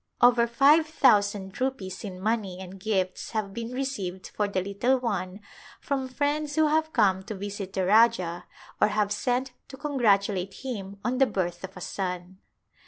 Over five thousand rupees in money and gifts have been received for the little one from friends who have come to visit the Rajah or have sent to con gratulate him on the birth of a son.